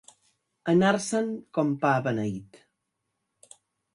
Anar-se'n com pa beneit.